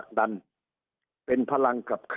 สุดท้ายก็ต้านไม่อยู่